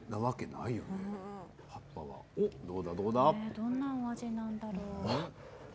どんなお味なんだろう？